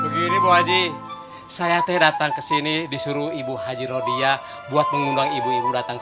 begini boaji saya teh datang ke sini disuruh ibu haji rodia buat mengundang ibu ibu datang